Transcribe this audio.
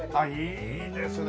いいですね！